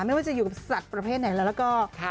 ไม่ว่าจะอยู่กับสัตว์ประเภทไหนแล้วก็